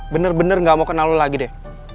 bener bener gak mau kenal lu lagi deh